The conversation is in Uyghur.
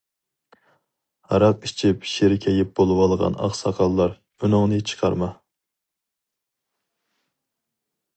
ھاراق ئىچىپ شىر كەيپ بولۇۋالغان ئاقساقاللار:-ئۈنۈڭنى چىقارما!